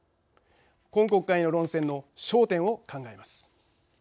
今国会の論戦の焦点を考えます。